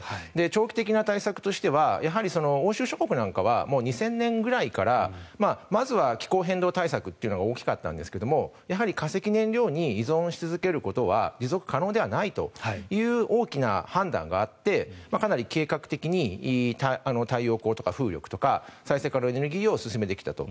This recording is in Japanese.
長期的な対策としてはやはり欧州諸国なんかは２０００年くらいからまずは気候変動対策が大きかったんですがやはり化石燃料に依存し続けることは持続可能ではないという大きな判断があってかなり計画的に太陽光とか風力とか再生可能エネルギーを進めてきたと。